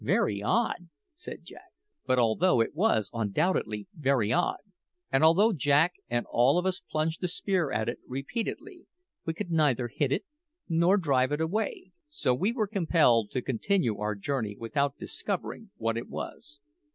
"Very odd!" said Jack. But although it was undoubtedly very odd, and although Jack and all of us plunged the spear at it repeatedly, we could neither hit it nor drive it away, so we were compelled to continue our journey without discovering what it was.